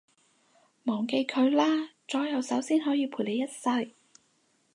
忘記佢啦，左右手先可以陪你一世